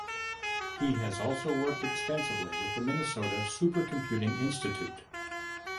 He has also worked extensively with the Minnesota Supercomputing Institute.